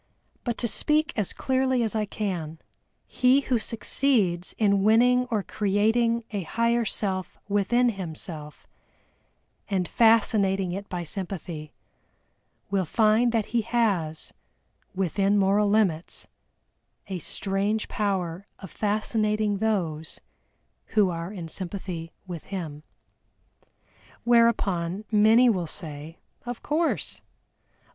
But to speak as clearly as I can, he who succeeds in winning or creating a higher Self within himself, and fascinating it by sympathy, will find that he has, within moral limits, a strange power of fascinating those who are in sympathy with him. Whereupon many will say "of course."